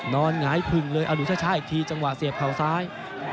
หงายผึ่งเลยเอาดูช่าอีกทีจังหวะเสียบเข่าซ้าย